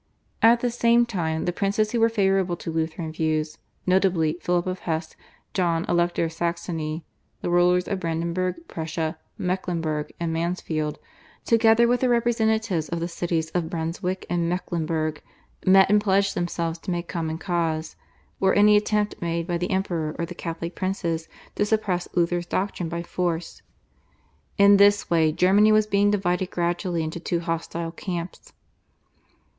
At the same time the princes who were favourable to Lutheran views, notably Philip of Hesse, John, Elector of Saxony, the rulers of Brandenburg, Prussia, Mecklenburg and Mansfeld, together with the representatives of the cities of Brunswick and Mecklenburg, met and pledged themselves to make common cause, were any attempt made by the Emperor or the Catholic princes to suppress Luther's doctrine by force. In this way Germany was being divided gradually into two hostile camps.